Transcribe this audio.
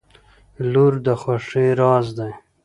• لور د خوښۍ راز دی.